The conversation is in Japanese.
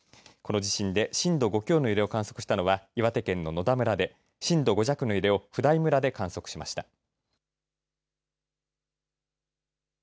この地震で震度５強の揺れを観測したのは岩手県の野田村で震度５弱の揺れを普代村で観測しました。